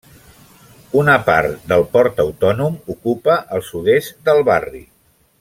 Una part del port autònom ocupa el sud-est del barri.